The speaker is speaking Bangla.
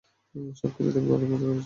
সবকিছু দেখবে আগের মতো ঠিক হয়ে যাবে!